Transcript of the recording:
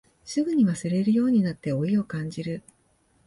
すぐに忘れるようになって老いを感じる